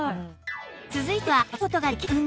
続いては